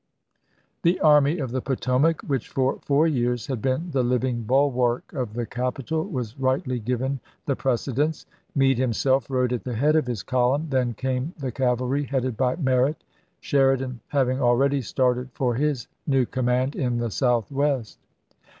The Army of the Potomac, which for four years had been the living bulwark of the capital, was rightly given the precedence. Meade himself rode at the head of his column, then came the cavalry headed by Merritt — Sheridan having already started for his new command in the Southwest.